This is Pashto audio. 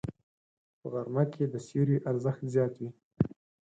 په غرمه کې د سیوري ارزښت زیات وي